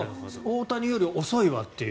大谷より遅いわという。